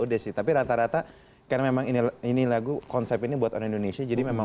desi tapi rata rata karena memang ini ini lagu konsep ini buat orang indonesia jadi memang